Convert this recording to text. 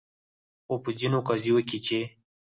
خو په ځینو قضیو کې چې